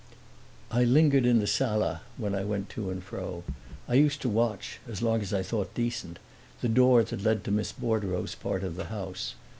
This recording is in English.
I lingered in the sala when I went to and fro; I used to watch as long as I thought decent the door that led to Miss Bordereau's part of the house.